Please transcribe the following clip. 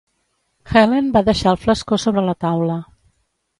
Helene va deixar el flascó sobre la taula.